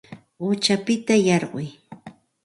Quchapita yarquy